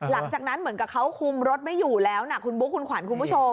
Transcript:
หลังจากนั้นเหมือนกับเขาคุมรถไม่อยู่แล้วนะคุณบุ๊คคุณขวัญคุณผู้ชม